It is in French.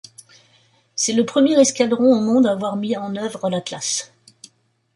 C'est le premier escadron au monde à avoir mis en oeuvre l'Atlas.